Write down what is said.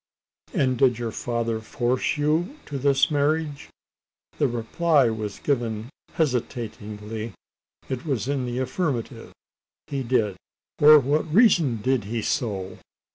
"And did your father force you to this marriage?" The reply was given hesitatingly. It was in the affirmative. "He did." "For what reason did he so?"